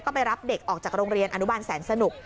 ก็ไปรับเด็กออกจากโรงเรียนอนุบาลแสนสนุก